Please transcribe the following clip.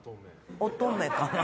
乙女かな？